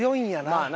まあな。